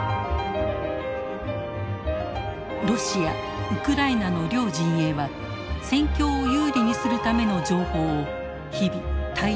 ロシアウクライナの両陣営は戦況を有利にするための情報を日々大量に発信。